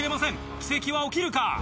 奇跡は起きるか？